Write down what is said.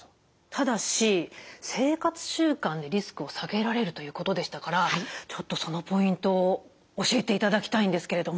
ただし生活習慣でリスクを下げられるということでしたからちょっとそのポイントを教えていただきたいんですけれども。